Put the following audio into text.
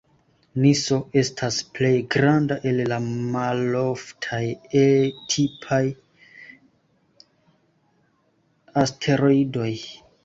Niso estas plej granda el la maloftaj E-tipaj asteroidoj.